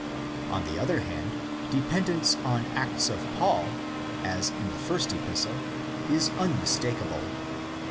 On the other hand, dependence on Acts of Paul, as in the first Epistle, is unmistakeable.